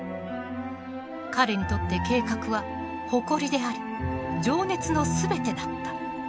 彼にとって計画は誇りであり情熱の全てだった。